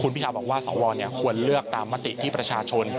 คุณพิทาวบอกว่าสวกรควรเลือกตามมติประชาชน